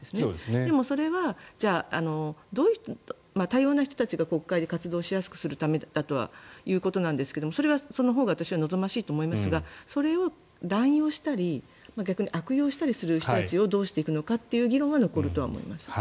でも、それは多様な人たちが国会で活躍するためということですがそれは、そのほうが私は望ましいと思いますがそれを乱用したり悪用したりする人たちをどうしていくのかという議論は残るとは思います。